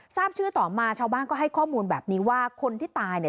ทราบชื่อต่อมาชาวบ้านก็ให้ข้อมูลแบบนี้ว่าคนที่ตายเนี่ย